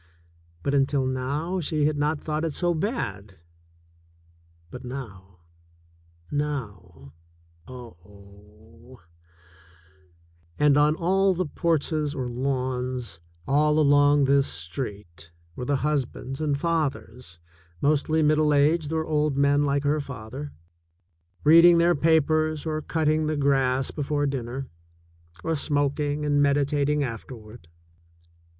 But, until now, she had not thought it so bad. But now — now — oh ! And on all the porches or lawns all along this street were the husbands and fathers, mostly middle aged or old men like her father, read ing their papers or cutting the grass before dinner, or smoking and meditating afterward.